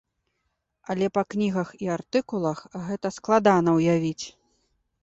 Але па кнігах і артыкулах гэта складана ўявіць.